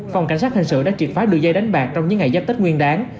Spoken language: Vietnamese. phòng cảnh sát hình sự đã triệt phá đường dây đánh bạc trong những ngày giáp tết nguyên đáng